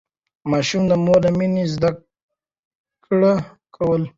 ماشوم د مور له مينې زده کړه کوي.